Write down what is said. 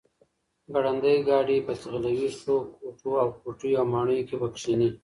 ګړندی ګاډی به ځغلوي، ښو کوټو او کوټیو او ماڼیو کې به کښېني،